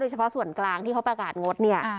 เฉพาะส่วนกลางที่เขาประกาศงดเนี่ย